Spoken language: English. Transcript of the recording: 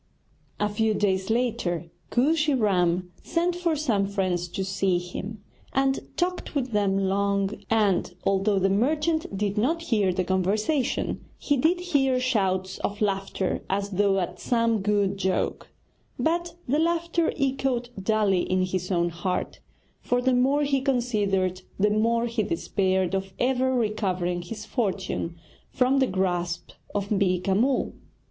A few days later Kooshy Ram sent for some friends to see him, and talked with them long, and, although the merchant did not hear the conversation, he did hear shouts of laughter as though at some good joke; but the laughter echoed dully in his own heart, for the more he considered the more he despaired of ever recovering his fortune from the grasp of Beeka Mull.